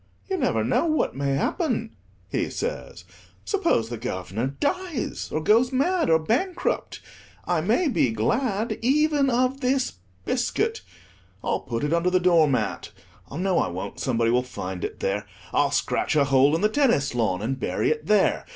"You never know what may happen," he says; "suppose the Guv'nor dies, or goes mad, or bankrupt, I may be glad even of this biscuit; I'll put it under the door mat—no, I won't, somebody will find it there. I'll scratch a hole in the tennis lawn, and bury it there.